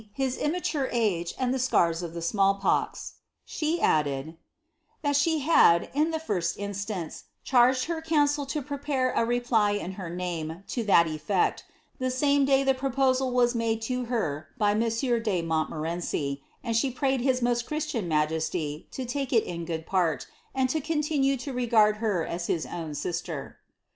his immature age the scars of the small pox. She added, ^^ that she had, in the first ince, charged her council to prepare a reply in her name to that ;t, the same day the proposal was made to her by monsieur de itmorenci, and she prayed his most Christian majesty to take it in d part, and to continue to regard her as his own sister."